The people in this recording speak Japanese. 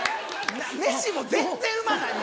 飯も全然うまない！